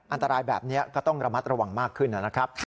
อันตรายแบบนี้ก็ต้องระมัดระวังมากขึ้นนะครับ